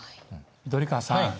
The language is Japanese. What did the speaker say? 緑川さん